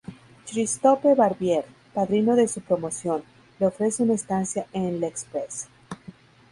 Christophe Barbier, padrino de su promoción, le ofrece una estancia en "L'Express".